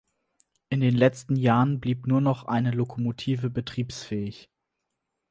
In den letzten Jahren blieb nur noch eine Lokomotive betriebsfähig.